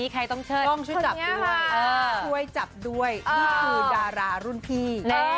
คุ้ยจับด้วยนี่คือดารารุ่นพี่